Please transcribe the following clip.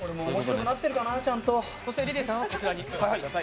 そしてリリーさんはこちらに来てください。